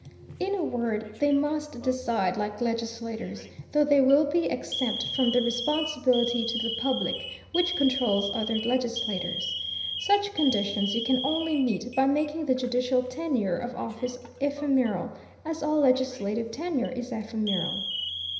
In a word they must decide like legislators, though they will be exempt from the responsibility to the public which controls other legislators. Such conditions you can only meet by making the judicial tenure of office ephemeral, as all legislative tenure is ephemeral.